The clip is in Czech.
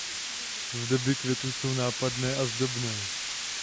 V době květu jsou nápadné a zdobné.